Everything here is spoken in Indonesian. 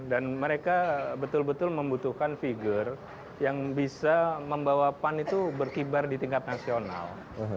dan mereka betul betul membutuhkan figure yang bisa membawa pan itu berkibar di tingkat nasional